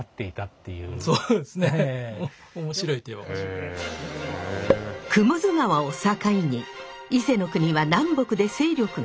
そうですね雲出川を境に伊勢国は南北で勢力が対立。